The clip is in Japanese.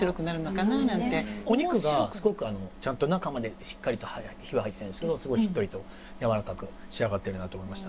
お肉が中までしっかりと火は入ってるんですけどすごいしっとりとやわらかく仕上がってるなと思いました。